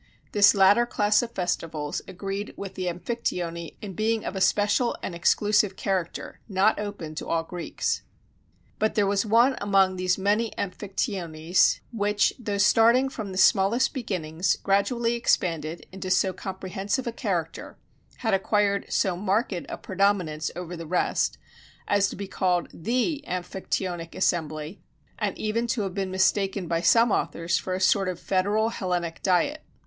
This later class of festivals agreed with the Amphictyony in being of a special and exclusive character, not open to all Greeks. But there was one among these many Amphictyonies, which, though starting from the smallest beginnings, gradually expanded into so comprehensive a character, had acquired so marked a predominance over the rest, as to be called the "Amphictyonic assembly," and even to have been mistaken by some authors for a sort of federal Hellenic diet.